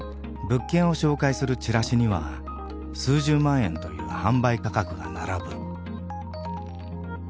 物件を紹介するチラシには数十万円という販売価格が並ぶ。